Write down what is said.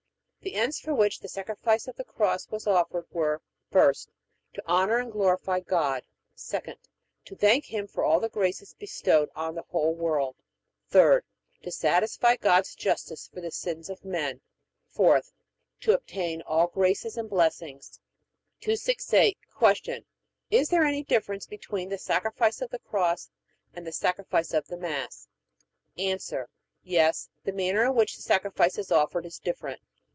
The ends for which the sacrifice of the Cross was offered were: 1st, To honor and glorify God; 2d, To thank Him for all the graces bestowed on the whole world; 3d, To satisfy God's justice for the sins of men; 4th, To obtain all graces and blessings. 268. Q. Is there any difference between the sacrifice of the Cross and the sacrifice of the Mass? A. Yes; the manner in which the sacrifice is offered is different.